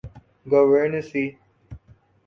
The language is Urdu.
گوئرنسی